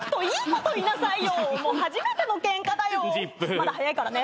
まだ早いからね。